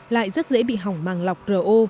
lại rất dễ bị hỏng màng lọc ro